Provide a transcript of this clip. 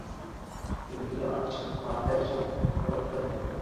তুমি যদি আমাদের সাহায্য করো, তাহলে আমরা এই সমস্ত হত্যাকাণ্ড রোধ করতে পারব।